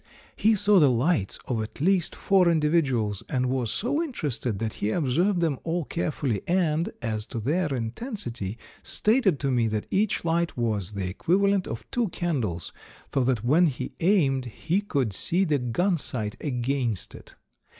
"He saw the lights of at least four individuals, and was so interested that he observed them all carefully and, as to their intensity, stated to me that each light was the equivalent of two candles, so that when he aimed he could see the gun sight against it.